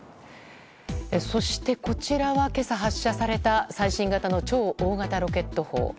そして、こちらは今朝発射された最新型の超大型ロケット砲。